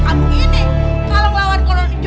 kampung ini kalau ngelawan kolor ijo